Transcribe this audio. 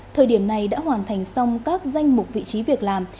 thời điểm này đã hoàn thành xong các danh mục vị trí việc làm